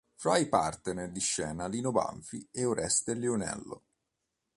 Fra i partner di scena Lino Banfi e Oreste Lionello.